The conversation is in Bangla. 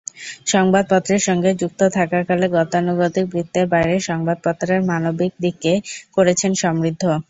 সংবাদপত্রের সঙ্গে যুক্ত থাকাকালে গতানুগতিক বৃত্তের বাইরে সংবাদপত্রের মানবিক দিককে করেছেন সমৃদ্ধ।